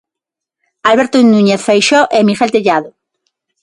Alberto Núñez Feixóo e Miguel Tellado.